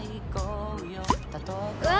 うわ！